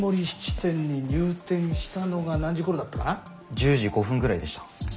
１０時５分ぐらいでした。